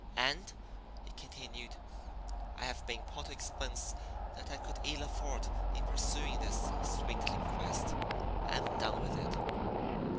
And," he continued, "I have been put to expense that I could ill afford in pursuing this swindling quest. I am done with it."